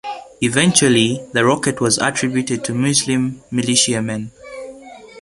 Eventually, the rocket was attributed to Muslim militiamen.